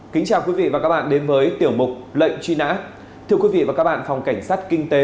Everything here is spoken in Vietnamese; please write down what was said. kính chào quý vị và các bạn đến với tiểu mục lệnh truy nã thưa quý vị và các bạn phòng cảnh sát kinh tế